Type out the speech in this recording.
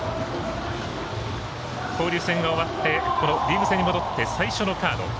交流戦が終わってリーグ戦に戻って最初のカード。